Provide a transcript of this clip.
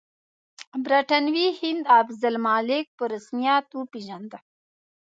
برټانوي هند افضل الملک په رسمیت وپېژانده.